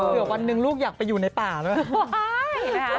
เผื่อวันหนึ่งลูกอยากไปอยู่ในป่าด้วย